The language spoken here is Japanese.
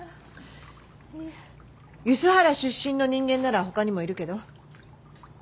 梼原出身の人間ならほかにもいるけど。